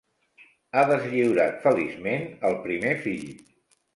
Ha deslliurat feliçment el primer fill.